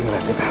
oh jadi gitu